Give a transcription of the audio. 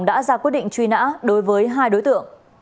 đã ra quyết định truy nã đối với hai đối tượng